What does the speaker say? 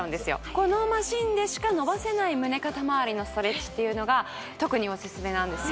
このマシンでしか伸ばせない胸肩まわりのストレッチっていうのが特にオススメなんですよ